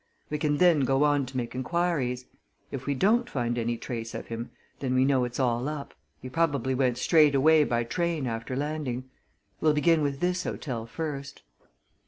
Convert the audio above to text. We can then go on to make inquiries. If we don't find any trace of him, then we know it's all up he probably went straight away by train after landing. We'll begin with this hotel first."